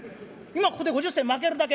今ここで５０銭まけるだけ。